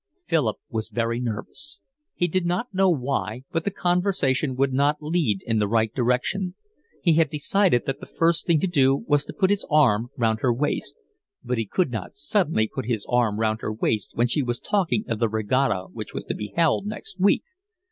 Philip was very nervous. He did not know why, but the conversation would not lead in the right direction; he had decided that the first thing to do was to put his arm round her waist; but he could not suddenly put his arm round her waist when she was talking of the regatta which was to be held next week.